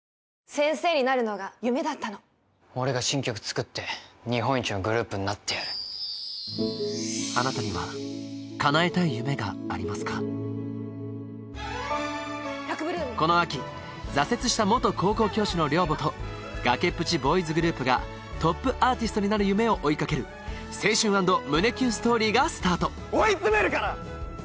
先生になるのが夢だったの俺が新曲作って日本一のグループになってやるこの秋挫折した元高校教師の寮母と崖っぷちボーイズグループがトップアーティストになる夢を追いかける青春＆胸キュンストーリーがスタート追いつめるから！